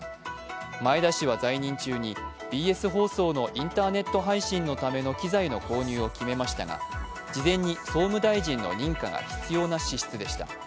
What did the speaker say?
前田氏は在任中にＢＳ放送のインターネット配信のための機材の購入を決めましたが事前に総務大臣の認可が必要な支出でした。